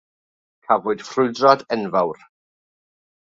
Cafwyd ffrwydrad enfawr.